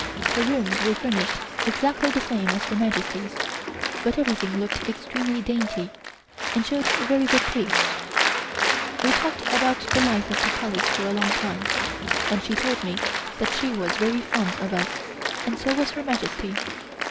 Her rooms were furnished exactly the same as Her Majesty's, but everything looked extremely dainty, and showed very good taste. We talked about the life at the Palace for a long time, and she told me that she was very fond of us, and so was Her Majesty.